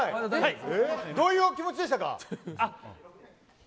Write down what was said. どういうお気持ちでしたか。